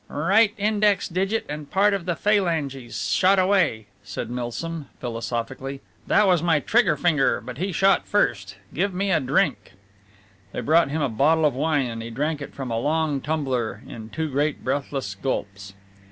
"Right index digit and part of the phalanges shot away," said Milsom philosophically. "That was my trigger finger but he shot first. Give me a drink!" They brought him a bottle of wine, and he drank it from a long tumbler in two great breathless gulps.